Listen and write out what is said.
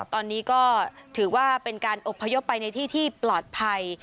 ตอนนี้ก็ถือว่าเป็นการอบพยพไปในที่ที่ปลอดภัย